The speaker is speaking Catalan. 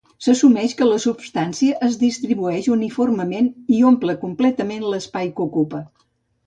S'assumeix que la substància es distribueix uniformement i omple completament l'espai que ocupa.